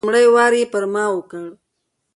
لومړی وار یې پر ما وکړ.